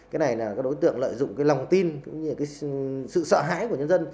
cái này là đối tượng lợi dụng cái lòng tin cũng như sự sợ hãi của nhân dân